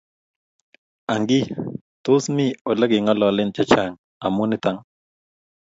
angi tos mi ole kengalale chechang amu nito?